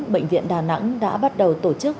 bệnh viện đà nẵng đã bắt đầu tổ chức